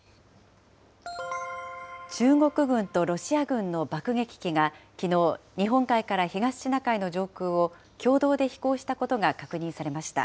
中国軍とロシア軍の爆撃機がきのう、日本海から東シナ海の上空を共同で飛行したことが確認されました。